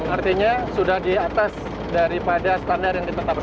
artinya sudah di atas daripada standar yang kita tetapkan